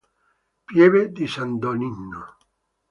Pieve di San Donnino